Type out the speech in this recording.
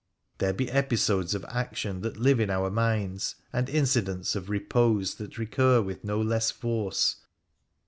There be episodes of action that live in our minds, and incidents of repose that recur with no less force.